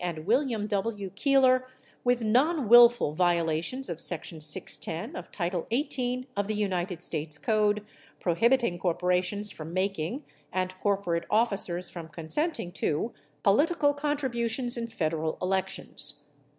and William W. Keeler with non willful violations of section 610 of title 18 of the United States Code prohibiting corporations from making, and corporate officers from consenting to, political contributions in Federal elections.